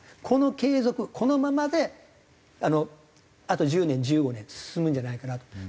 この継続このままであと１０年１５年進むんじゃないかなと。